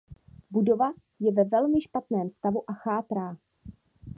Budova je ve velmi špatném stavu a chátrá.